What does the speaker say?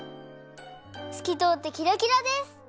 すきとおってキラキラです！